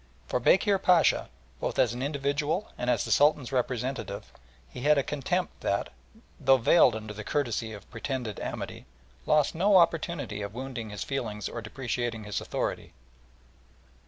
For Bekir Pacha, both as an individual and as the Sultan's representative, he had a contempt that, though veiled under the courtesy of pretended amity, lost no opportunity of wounding his feelings or depreciating his authority.